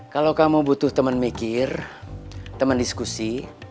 kalau kamu butuh temen mikir temen diskusi